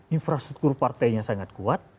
infrastruktur partainya sangat kuat